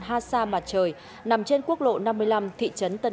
hà sa mặt trời nằm trên quốc lộ năm mươi năm thị trấn tân minh